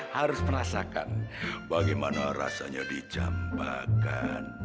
harus merasakan bagaimana rasanya dijambakan